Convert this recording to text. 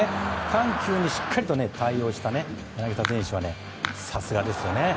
緩急にしっかりと対応した柳田選手はさすがですね。